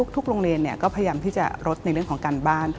โรงเรียนก็พยายามที่จะลดในเรื่องของการบ้าน